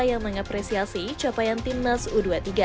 yang mengapresiasi capaian timnas u dua puluh tiga